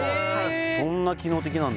そんな機能的なんだ